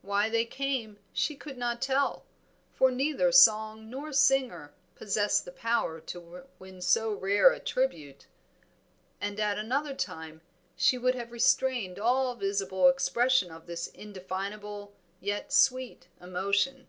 Why they came she could not tell, for neither song nor singer possessed the power to win so rare a tribute, and at another time, she would have restrained all visible expression of this indefinable yet sweet emotion.